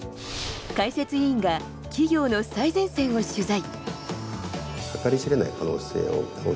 解説委員が企業の最前線を取材。